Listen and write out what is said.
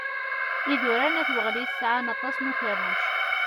Idurar n At Weɣlis sɛan aṭas n ukerruc.